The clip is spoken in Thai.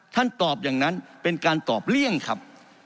ตอบอย่างนั้นเป็นการตอบเลี่ยงครับ